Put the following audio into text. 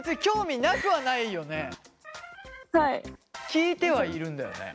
聞いてはいるんだよね。